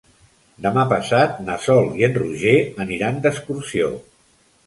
Demà passat na Sol i en Roger aniran d'excursió.